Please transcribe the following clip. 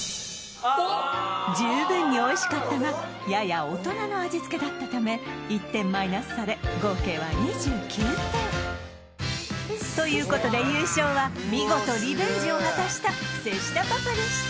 十分においしかったがやや大人の味付けだったため１点マイナスされ合計は２９点！ということで優勝は見事リベンジを果たした瀬下パパでした